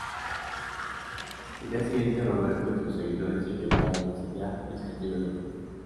El día siguiente Roberto y sus seguidores intentaron asediar el castillo de Ruan.